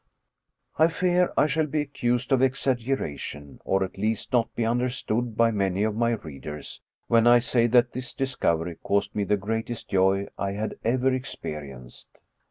I fear I shall be accused of exaggeration, or at least not be understood by many of my readers, when I say that this discovery caused me the greatest joy I had ever experi enced.